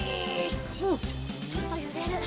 おっちょっとゆれる。